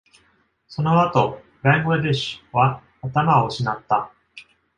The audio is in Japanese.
その後、Bangladesh は頭を失った。